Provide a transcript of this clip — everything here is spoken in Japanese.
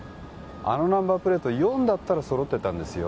あのナンバープレート４だったら揃ってたんですよ